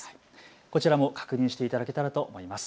こちらも確認していただけたらと思います。